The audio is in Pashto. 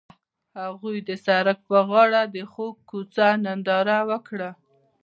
هغوی د سړک پر غاړه د خوږ کوڅه ننداره وکړه.